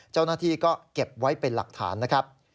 เจ้าหน้าที่ก็เก็บไว้เป็นหลักฐานนะครับ